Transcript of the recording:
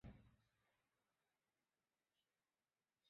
前十名的单曲是第一次的记录。